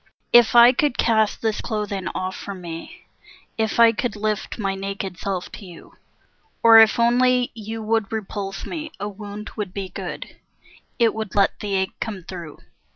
If I could cast this clothing off from me, If I could lift my naked self to you, Or if only you would repulse me, a wound would be Good; it would let the ache come through.